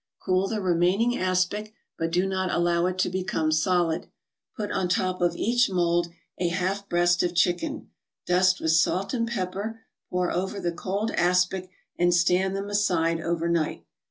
Cool the remaining aspic, but do not allow it to become solid. Put on top of each mold a half breast of chicken, dust with salt and pepper, pour over the cold aspic and stand them aside over night.